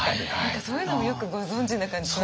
そういうのもよくご存じな感じしますよね。